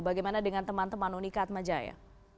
bagaimana dengan teman teman unikat majaya